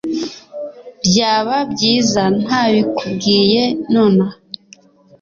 Byaba byiza ntabikubwiye nonaha